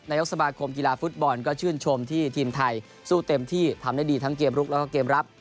สมาคมกีฬาฟุตบอลก็ชื่นชมที่ทีมไทยสู้เต็มที่ทำได้ดีทั้งเกมลุกแล้วก็เกมรับ